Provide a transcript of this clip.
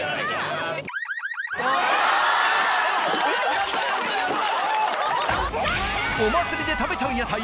やったやったやった！